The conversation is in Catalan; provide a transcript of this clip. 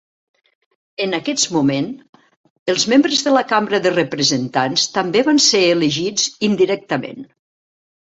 En aquest moment, els membres de la Cambra de Representants també van ser elegits indirectament.